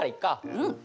うん。